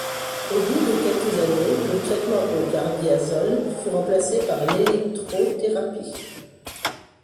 Au bout de quelques années, le traitement au cardiazol fut remplacé par l’électrothérapie.